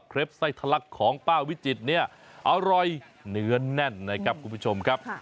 เคล็ปไซซ์ทะลักของป้าวิจิตเอารอยเนื้อนแน่นนะครับคุณผู้ชม